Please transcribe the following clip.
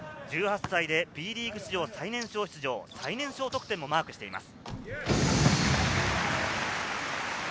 １８歳でＢリーグ史上最年少出場、最年少得点も果たしています。